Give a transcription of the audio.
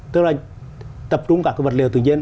tức là tập trung cả cái vật liều tự nhiên